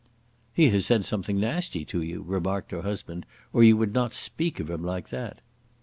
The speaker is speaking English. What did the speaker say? "He has said something nasty to you," remarked her husband, "or you would not speak of him like that."